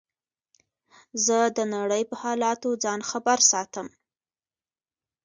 زه د نړۍ په حالاتو ځان خبر ساتم.